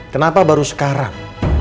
kenapa baru sekarang